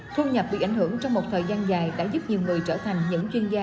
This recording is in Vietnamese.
thu nhập bị ảnh hưởng trong một thời gian dài đã giúp nhiều người trở thành những chuyên gia